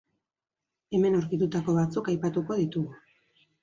Hemen aurkitutako batzuk aipatuko ditugu.